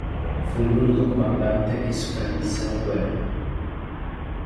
Fu l'unico comandante che sopravvisse alla guerra.